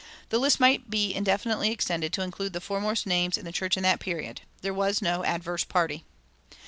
The list might be indefinitely extended to include the foremost names in the church in that period. There was no adverse party.